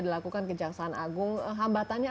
dilakukan kejaksaan agung hambatannya